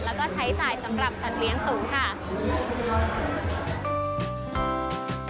แล้วก็ใช้จ่ายสำหรับสัตว์เลี้ยงสูงค่ะ